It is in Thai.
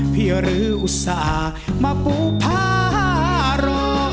เพียรืออุตส่าห์มาปูพารอ